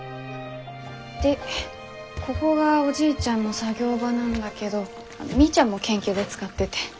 でここがおじいちゃんの作業場なんだけどみーちゃんも研究で使ってて。